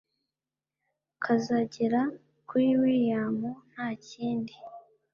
kazagera kuri william ntakindi